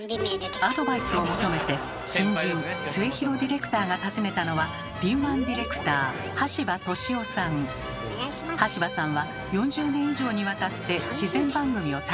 アドバイスを求めて新人・末廣ディレクターが訪ねたのは敏腕ディレクター橋場さんは４０年以上にわたって自然番組を担当。